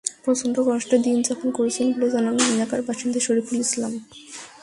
প্রচণ্ড কষ্টে দিন যাপন করছেন বলে জানালেন এলাকার বাসিন্দা শরিফুল ইসলাম।